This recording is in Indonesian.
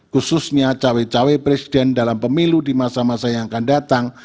khususnya cawe cawe presiden dalam pemilu di masa masa yang akan datang